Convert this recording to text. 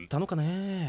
え